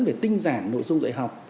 về tinh giản nội dung dạy học